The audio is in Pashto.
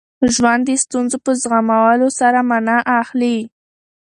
ژوند د ستونزو په زغمولو سره مانا اخلي.